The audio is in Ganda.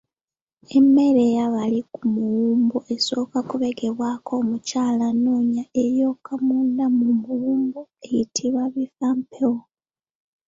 Emmere eyebbali ku muwumbo esooka okubegebwako omukyala n'anoonya eryokya munda mu muwumbo eyitibwa Bifampewo.